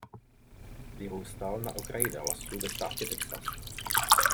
Vyrůstal na okraji Dallasu ve státě Texas.